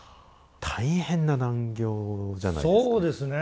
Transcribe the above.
大変な難行じゃないですか？